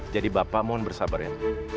jadi bapak mohon bersabar ya